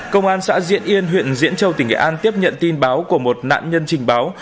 công an xã diễn yên huyện diễn châu tỉnh nghệ an tiếp nhận tin báo của một nạn nhân trình báo